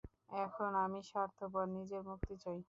এখন আমি স্বার্থপর, নিজের মুক্তি চাই।